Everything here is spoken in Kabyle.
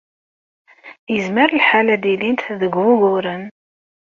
Yezmer lḥal ad ilint deg wuguren.